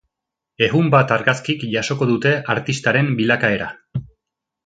Ehun bat argazkik jasoko dute artistaren bilakaera.